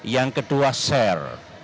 yang kedua share